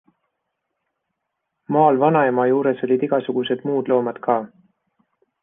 Maal vanaema juures olid igasugused muud loomad ka.